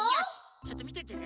ちょっとみててね。